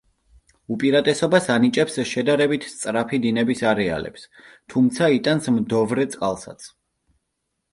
უპირატესობას ანიჭებს შედარებით სწრაფი დინების არეალებს, თუმცა იტანს მდოვრე წყალსაც.